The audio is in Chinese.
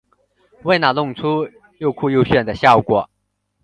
为了弄出又酷又炫的效果